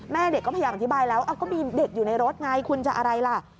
แม่เด็กก็พยายามอธิบายแล้วก็มีเด็กอยู่ในรถไงคุณจะอะไรล่ะ